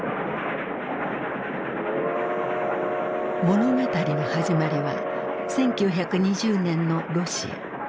物語の始まりは１９２０年のロシア。